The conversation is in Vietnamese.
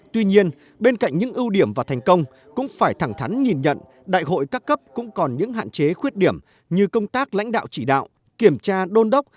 tuy nhiên bên cạnh những ưu điểm và thành công cũng phải thẳng thắn nhìn nhận đại hội các cấp cũng còn những hạn chế khuyết điểm như công tác lãnh đạo chỉ đạo kiểm tra đôn đốc